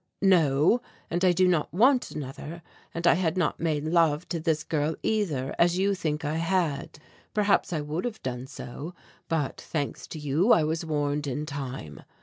"No, and I do not want another, and I had not made love to this girl either, as you think I had; perhaps I would have done so, but thanks to you I was warned in time.